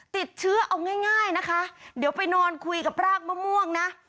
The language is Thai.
ติดเชื้อเอาง่ายนะคะเดี๋ยวไปนอนคุยกับรากมะม่วงนะ